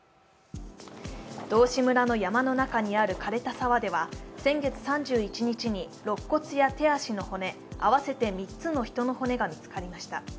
道志村の山の中にある枯れた沢では先月３１日にろっ骨や手足の骨合わせて３つの人の骨が見つかりました。